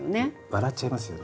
笑っちゃいますよね。